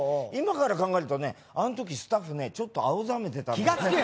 今から考えるとねあのときスタッフねちょっと青ざめてたんです。